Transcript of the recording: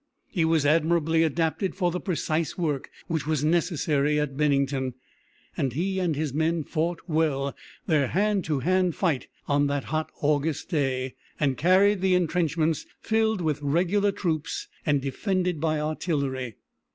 He was admirably adapted for the precise work which was necessary at Bennington, and he and his men fought well their hand to hand fight on that hot August day, and carried the intrenchments filled with regular troops and defended by artillery.